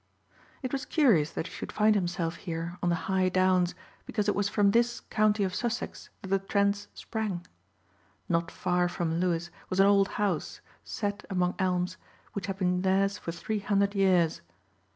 It was curious that he should find himself here on the high downs because it was from this county of Sussex that the Trents sprang. Not far from Lewes was an old house, set among elms, which had been theirs for three hundred years.